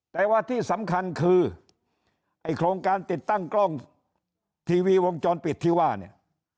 แต่ว่าที่สำคัญคือไอ้โครงการติดตั้งกล้องทีวีวงจรปิดที่ว่าเนี่ย